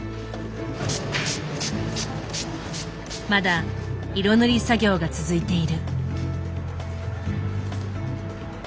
まだ色塗り作業が続いている。